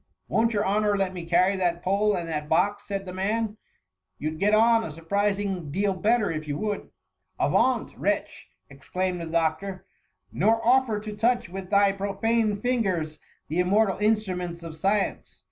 *^ Wotft your honour let me carry that pole and that box?'' said the man; " you'd get on a surprising deal better, if you would." " Avaunt, wretch ?" exclaimed the doctor, " nor offer to touch with thy profane fingers the immortal instruments of science."